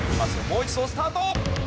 もう一度スタート！